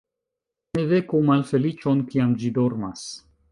Ne veku malfeliĉon, kiam ĝi dormas.